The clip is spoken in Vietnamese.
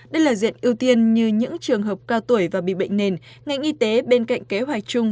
đây là diện ưu tiên như những trường hợp cao tuổi và bị bệnh nền ngành y tế bên cạnh kế hoạch chung